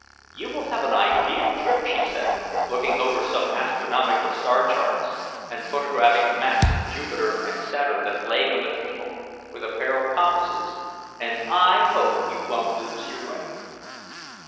"You will have an ideal trip," she said, looking over some astronomical star charts and photographic maps of Jupiter and Saturn that lay on the table, with a pair of compasses, "and I hope you won't lose your way."